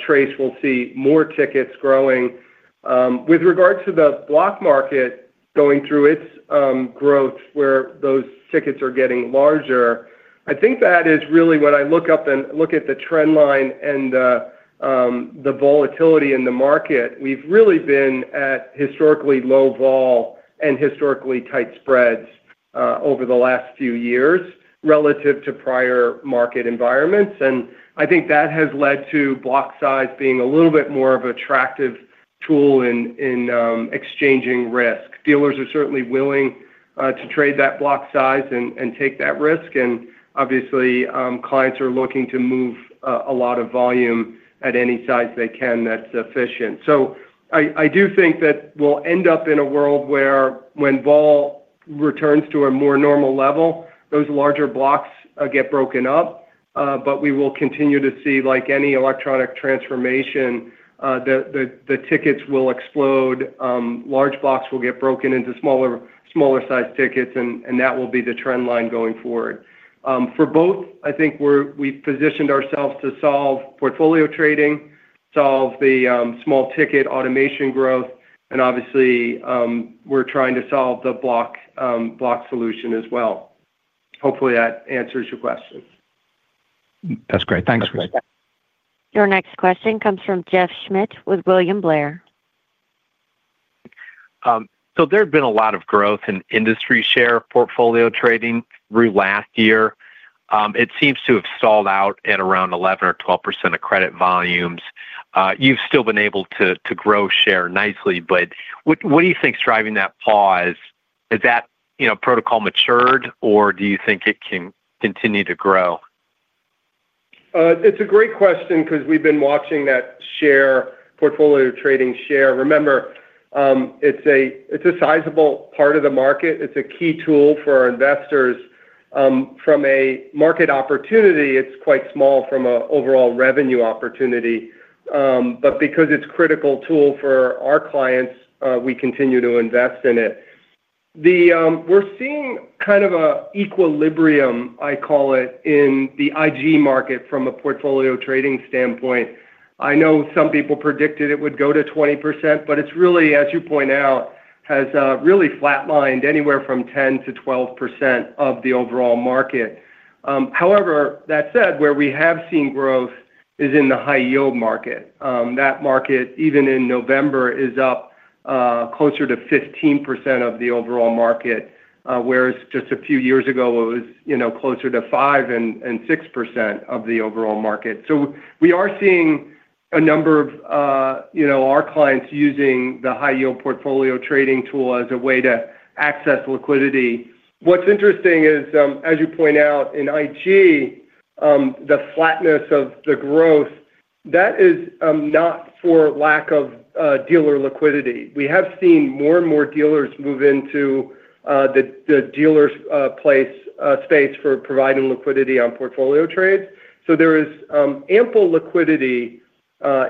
TRACE will see more tickets growing. With regard to the block market going through its growth where those tickets are getting larger, I think that is really when I look up and look at the trend line and the volatility in the market, we've really been at historically low vol and historically tight spreads over the last few years relative to prior market environments. I think that has led to block size being a little bit more of an attractive tool in exchanging risk. Dealers are certainly willing to trade that block size and take that risk. Obviously, clients are looking to move a lot of volume at any size they can that's efficient. I do think that we'll end up in a world where when vol returns to a more normal level, those larger blocks get broken up. We will continue to see, like any electronic transformation, the tickets will explode. Large blocks will get broken into smaller size tickets, and that will be the trend line going forward. For both, I think we've positioned ourselves to solve portfolio trading, solve the small ticket automation growth, and obviously, we're trying to solve the block solution as well. Hopefully, that answers your question. That's great. Thanks, Chris. Your next question comes from Josh Smith with William Blair. There have been a lot of growth in industry share portfolio trading through last year. It seems to have stalled out at around 11% or 12% of credit volumes. You've still been able to grow share nicely, but what do you think's driving that pause? Has that protocol matured, or do you think it can continue to grow? It's a great question because we've been watching that share portfolio trading share. Remember, it's a sizable part of the market. It's a key tool for our investors. From a market opportunity, it's quite small from an overall revenue opportunity. Because it's a critical tool for our clients, we continue to invest in it. We're seeing kind of an equilibrium, I call it, in the IG market from a portfolio trading standpoint. I know some people predicted it would go to 20%, but it's really, as you point out, has really flatlined anywhere from 10%-12% of the overall market. However, that said, where we have seen growth is in the high-yield market. That market, even in November, is up closer to 15% of the overall market, whereas just a few years ago, it was closer to 5% and 6% of the overall market. So we are seeing a number of our clients using the high-yield portfolio trading tool as a way to access liquidity. What's interesting is, as you point out, in IG, the flatness of the growth, that is not for lack of dealer liquidity. We have seen more and more dealers move into the dealer's space for providing liquidity on portfolio trades. There is ample liquidity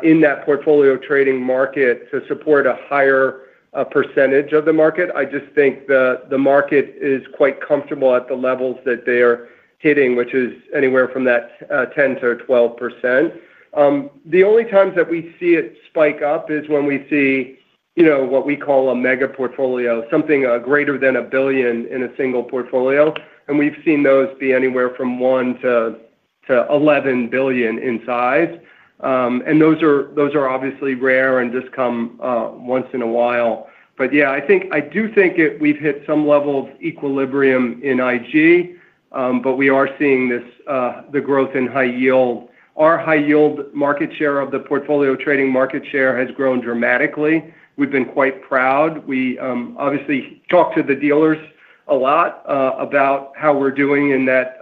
in that portfolio trading market to support a higher percentage of the market. I just think the market is quite comfortable at the levels that they are hitting, which is anywhere from 10%-12%. The only times that we see it spike up is when we see what we call a mega portfolio, something greater than $1 billion in a single portfolio. We have seen those be anywhere from $1 billion-$11 billion in size. Those are obviously rare and just come once in a while. Yeah, I do think we have hit some level of equilibrium in IG, but we are seeing the growth in high yield. Our high-yield market share of the portfolio trading market share has grown dramatically. We have been quite proud. We obviously talk to the dealers a lot about how we're doing in that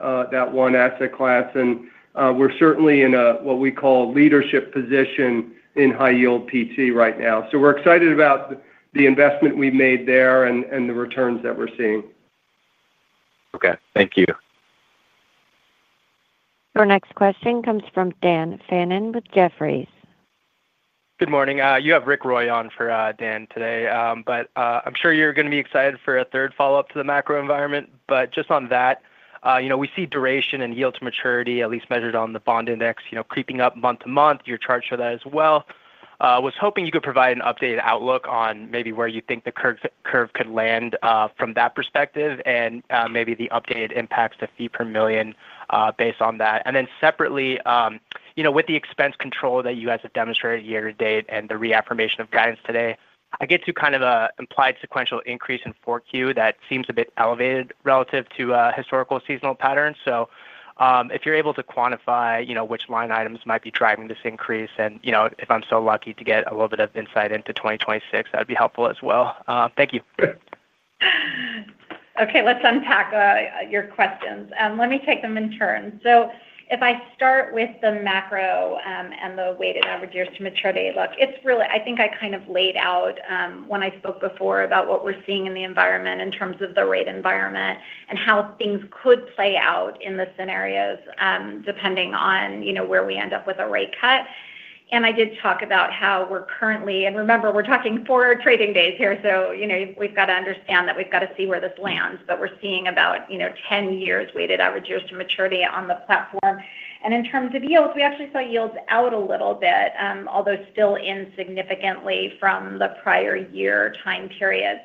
one asset class. And we're certainly in a what we call leadership position in high-yield PT right now. So we're excited about the investment we've made there and the returns that we're seeing. Okay. Thank you. Your next question comes from Dan Fannon with Jefferies. Good morning. You have Rit Roy on for Dan today, but I'm sure you're going to be excited for a third follow-up to the macro environment. Just on that, we see duration and yield to maturity, at least measured on the bond index, creeping up month to month. Your charts show that as well. I was hoping you could provide an updated outlook on maybe where you think the curve could land from that perspective and maybe the updated impacts to fee per million based on that. Then separately, with the expense control that you guys have demonstrated year to date and the reaffirmation of guidance today, I get to kind of an implied sequential increase in Q4 that seems a bit elevated relative to historical seasonal patterns. If you are able to quantify which line items might be driving this increase and if I am so lucky to get a little bit of insight into 2026, that would be helpful as well. Thank you. Okay. Let's unpack your questions. Let me take them in turns. If I start with the macro and the weighted average years to maturity look, I think I kind of laid out when I spoke before about what we are seeing in the environment in terms of the rate environment and how things could play out in the scenarios depending on where we end up with a rate cut. I did talk about how we're currently—and remember, we're talking four trading days here, so we've got to understand that we've got to see where this lands. We're seeing about 10 years weighted average years to maturity on the platform. In terms of yields, we actually saw yields out a little bit, although still insignificantly from the prior year time period.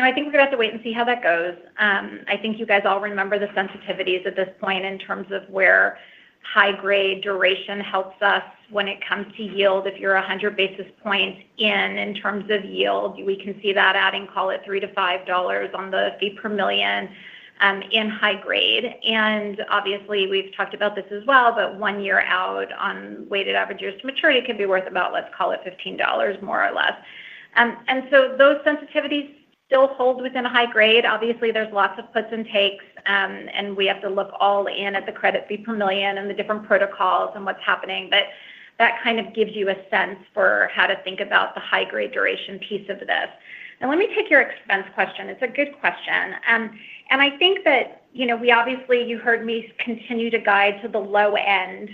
I think we're going to have to wait and see how that goes. I think you guys all remember the sensitivities at this point in terms of where high-grade duration helps us when it comes to yield. If you're 100 basis points in, in terms of yield, we can see that adding, call it, $3-$5 on the fee per million in high grade. Obviously, we have talked about this as well, but one year out on weighted average years to maturity could be worth about, let's call it, $15 more or less. Those sensitivities still hold within high grade. There are lots of puts and takes, and we have to look all in at the credit fee per million and the different protocols and what is happening. That gives you a sense for how to think about the high-grade duration piece of this. Let me take your expense question. It is a good question. I think that we obviously—you heard me continue to guide to the low end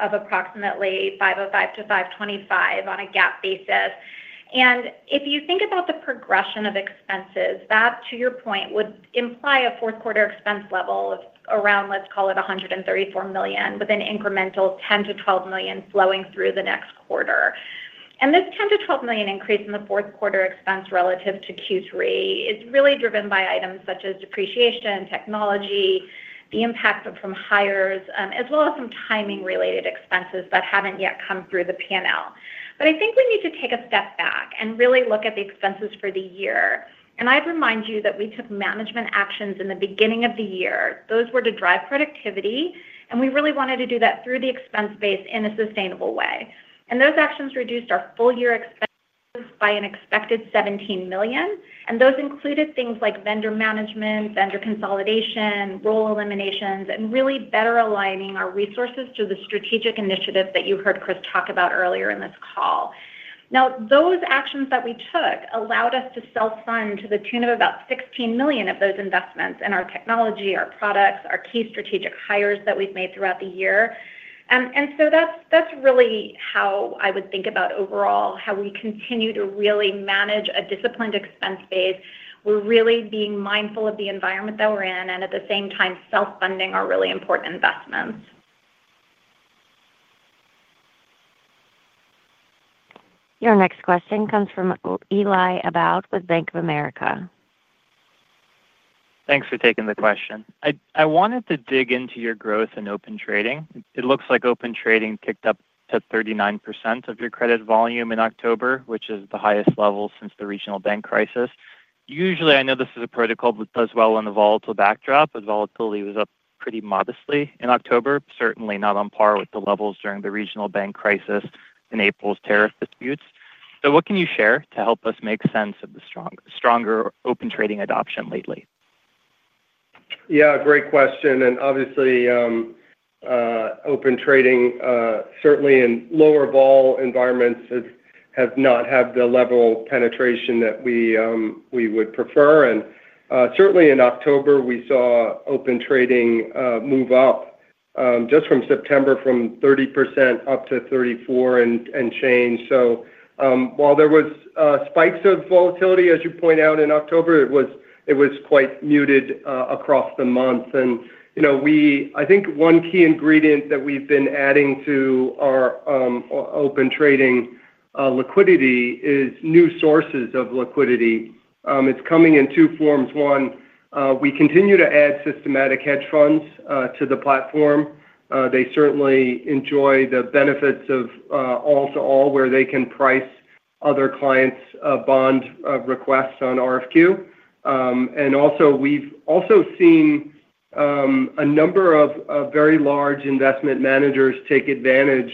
of approximately $505-$525 on a GAAP basis. If you think about the progression of expenses, that, to your point, would imply a fourth quarter expense level of around, let's call it, $134 million with an incremental $10 million-$12 million flowing through the next quarter. This $10-$12 million increase in the fourth quarter expense relative to Q3 is really driven by items such as depreciation, technology, the impact from hires, as well as some timing-related expenses that have not yet come through the panel. I think we need to take a step back and really look at the expenses for the year. I would remind you that we took management actions in the beginning of the year. Those were to drive productivity, and we really wanted to do that through the expense base in a sustainable way. Those actions reduced our full-year expenses by an expected $17 million. Those included things like vendor management, vendor consolidation, role eliminations, and really better aligning our resources to the strategic initiative that you heard Chris talk about earlier in this call. Those actions that we took allowed us to self-fund to the tune of about $16 million of those investments in our technology, our products, our key strategic hires that we've made throughout the year. That is really how I would think about overall how we continue to really manage a disciplined expense base. We're really being mindful of the environment that we're in and, at the same time, self-funding our really important investments. Your next question comes from Eli Abboud with Bank of America. Thanks for taking the question. I wanted to dig into your growth in open trading. It looks like open trading kicked up to 39% of your credit volume in October, which is the highest level since the regional bank crisis. Usually, I know this is a protocol that does well on the volatile backdrop, but volatility was up pretty modestly in October, certainly not on par with the levels during the regional bank crisis and April's tariff disputes. What can you share to help us make sense of the stronger open trading adoption lately? Yeah, great question. Obviously, open trading certainly in lower vol environments has not had the level penetration that we would prefer. Certainly, in October, we saw open trading move up just from September from 30% up to 34% and change. While there were spikes of volatility, as you point out, in October, it was quite muted across the month. I think one key ingredient that we've been adding to our Open Trading liquidity is new sources of liquidity. It's coming in two forms. One, we continue to add systematic hedge funds to the platform. They certainly enjoy the benefits of all-to-all where they can price other clients' bond requests on RFQ. We've also seen a number of very large investment managers take advantage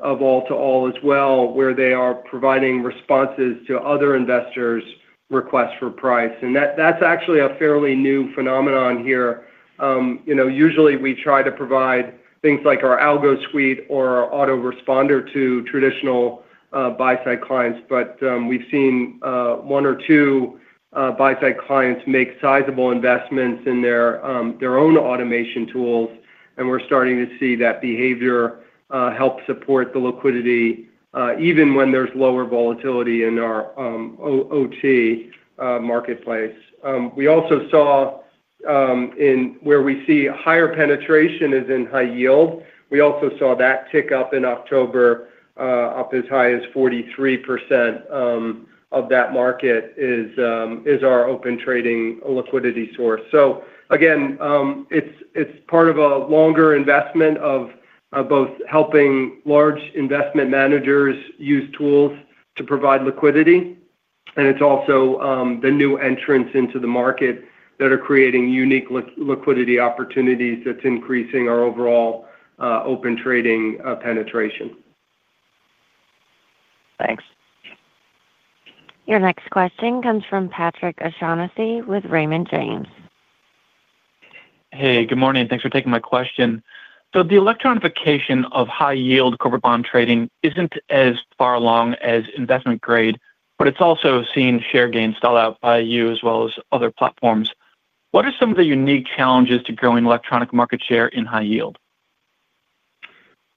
of all-to-all as well, where they are providing responses to other investors' requests for price. That's actually a fairly new phenomenon here. Usually, we try to provide things like our algo suite or our Auto-Responder to traditional buy-side clients, but we've seen one or two buy-side clients make sizable investments in their own automation tools, and we're starting to see that behavior help support the liquidity, even when there's lower volatility in our OT marketplace. We also saw where we see higher penetration is in high yield. We also saw that tick up in October, up as high as 43% of that market is our Open Trading liquidity source. Again, it's part of a longer investment of both helping large investment managers use tools to provide liquidity, and it's also the new entrants into the market that are creating unique liquidity opportunities that's increasing our overall Open Trading penetration. Thanks. Your next question comes from Patrick O’Shaughnessy with Raymond James. Hey, good morning. Thanks for taking my question. The electronification of high-yield corporate bond trading isn't as far along as investment grade, but it's also seen share gains stall out by you as well as other platforms. What are some of the unique challenges to growing electronic market share in high yield?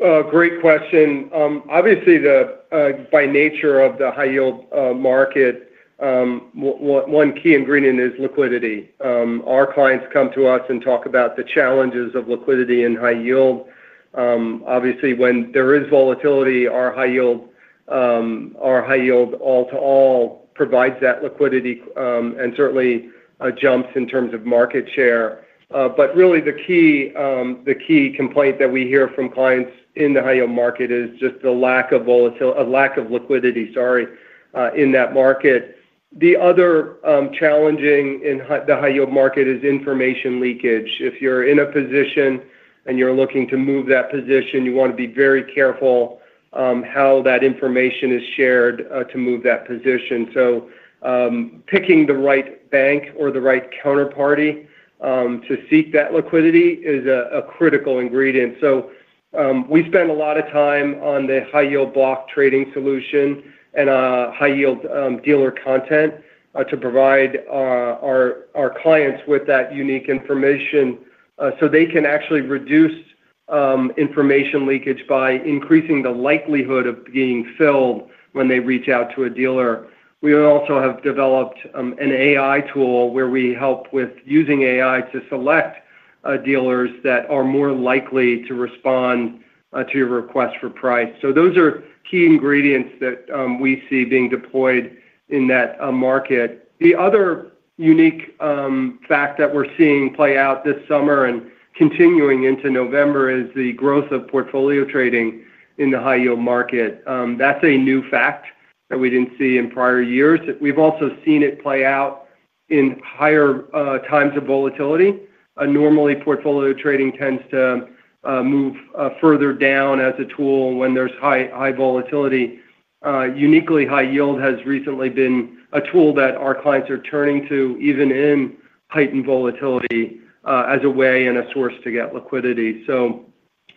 Great question. Obviously, by nature of the high-yield market, one key ingredient is liquidity. Our clients come to us and talk about the challenges of liquidity in high yield. Obviously, when there is volatility, our high-yield all-to-all provides that liquidity and certainly jumps in terms of market share. Really, the key complaint that we hear from clients in the high-yield market is just the lack of liquidity, sorry, in that market. The other challenge in the high-yield market is information leakage. If you're in a position and you're looking to move that position, you want to be very careful how that information is shared to move that position. Picking the right bank or the right counterparty to seek that liquidity is a critical ingredient. We spend a lot of time on the high-yield block trading solution and high-yield dealer content to provide our clients with that unique information so they can actually reduce information leakage by increasing the likelihood of being filled when they reach out to a dealer. We also have developed an AI tool where we help with using AI to select dealers that are more likely to respond to your request for price. Those are key ingredients that we see being deployed in that market. The other unique fact that we're seeing play out this summer and continuing into November is the growth of portfolio trading in the high-yield market. That's a new fact that we didn't see in prior years. We've also seen it play out in higher times of volatility. Normally, portfolio trading tends to move further down as a tool when there's high volatility. Uniquely, high yield has recently been a tool that our clients are turning to even in heightened volatility as a way and a source to get liquidity.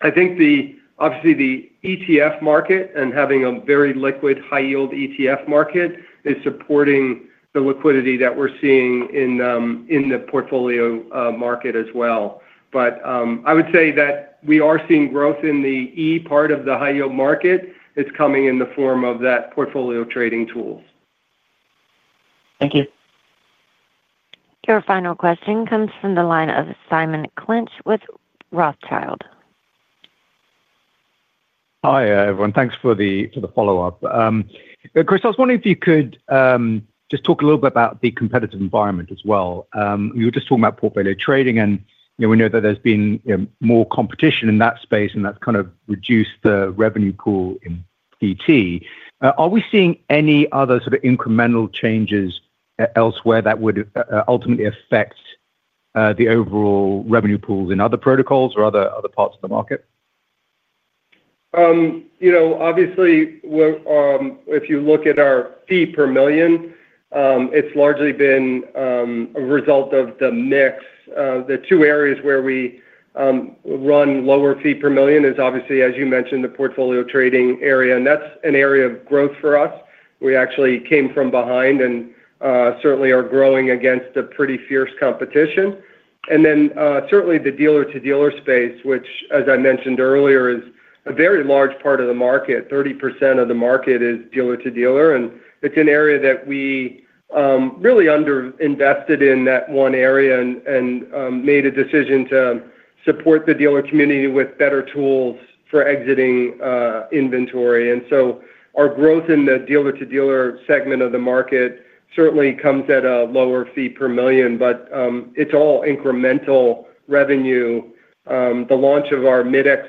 I think, obviously, the ETF market and having a very liquid high-yield ETF market is supporting the liquidity that we are seeing in the portfolio market as well. I would say that we are seeing growth in the E part of the high-yield market. It is coming in the form of that portfolio trading tools. Thank you. Your final question comes from the line of Simon Clinch with Rothschild. Hi, everyone. Thanks for the follow-up. Chris, I was wondering if you could just talk a little bit about the competitive environment as well. You were just talking about portfolio trading, and we know that there has been more competition in that space, and that has kind of reduced the revenue pool in PT. Are we seeing any other sort of incremental changes elsewhere that would ultimately affect the overall revenue pools in other protocols or other parts of the market? Obviously, if you look at our fee per million, it's largely been a result of the mix. The two areas where we run lower fee per million is, obviously, as you mentioned, the portfolio trading area. And that's an area of growth for us. We actually came from behind and certainly are growing against a pretty fierce competition. And then certainly the dealer-to-dealer space, which, as I mentioned earlier, is a very large part of the market. 30% of the market is dealer-to-dealer. And it's an area that we really under-invested in that one area and made a decision to support the dealer community with better tools for exiting inventory. Our growth in the dealer-to-dealer segment of the market certainly comes at a lower fee per million, but it is all incremental revenue. The launch of our Mid-X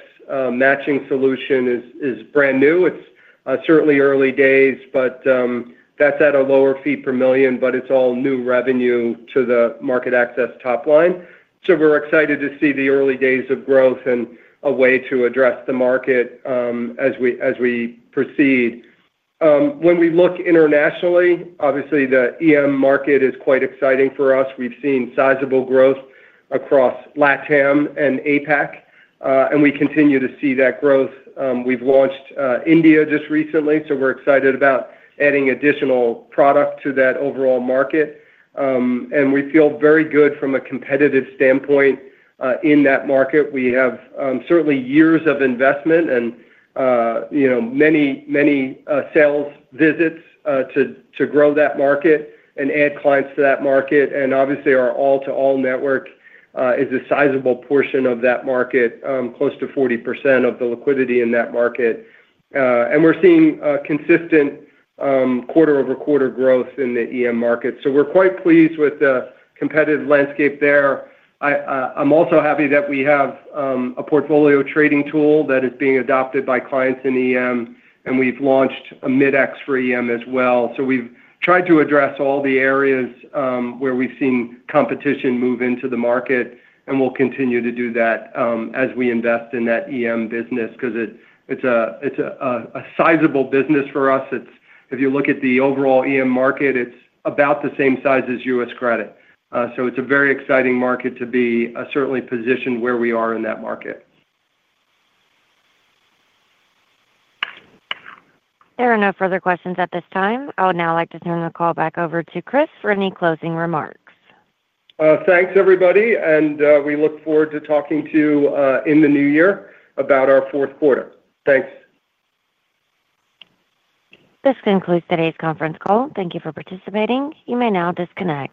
matching solution is brand new. It is certainly early days, but that is at a lower fee per million, but it is all new revenue to the MarketAxess top line. We are excited to see the early days of growth and a way to address the market as we proceed. When we look internationally, obviously, the EM market is quite exciting for us. We have seen sizable growth across LATAM and APAC, and we continue to see that growth. We have launched India just recently, so we are excited about adding additional product to that overall market. We feel very good from a competitive standpoint in that market. We have certainly years of investment and many, many sales visits to grow that market and add clients to that market. Obviously, our all-to-all network is a sizable portion of that market, close to 40% of the liquidity in that market. We are seeing consistent quarter-over-quarter growth in the EM market. We are quite pleased with the competitive landscape there. I am also happy that we have a portfolio trading tool that is being adopted by clients in EM, and we have launched a Mid-X for EM as well. We have tried to address all the areas where we have seen competition move into the market, and we will continue to do that as we invest in that EM business because it is a sizable business for us. If you look at the overall EM market, it is about the same size as U.S. credit. It is a very exciting market to be certainly positioned where we are in that market. There are no further questions at this time. I would now like to turn the call back over to Chris for any closing remarks. Thanks, everybody. We look forward to talking to you in the new year about our fourth quarter. Thanks. This concludes today's conference call. Thank you for participating. You may now disconnect.